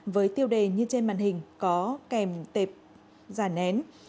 với tiêu đề như trên màn hình có kèm tệp giả nén